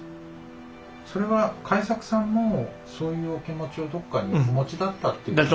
それは開作さんもそういうお気持ちをどこかにお持ちだったと？